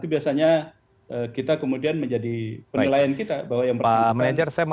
biasanya kita kemudian menjadi penilaian kita bahwa yang bersangkutan